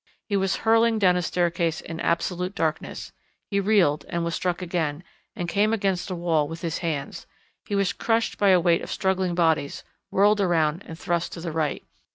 He was hurling down a staircase in absolute darkness. He reeled, and was struck again, and came against a wall with his hands. He was crushed by a weight of struggling bodies, whirled round, and thrust to the right.